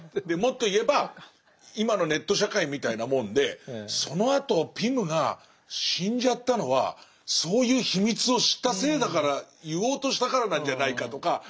もっと言えば今のネット社会みたいなもんでそのあとピムが死んじゃったのはそういう秘密を知ったせいだから言おうとしたからなんじゃないかとか。